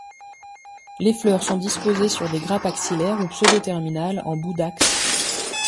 Les fleurs sont disposées sur des grappes axillaires ou pseudo-terminales en bout d'axes.